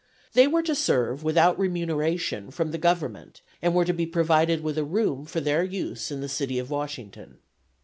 They were to serve without remuneration from the Government and were to be provided with a room for their use in the city of Washington.